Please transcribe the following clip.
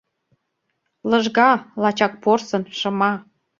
Лыжга, лачак порсын, шыма.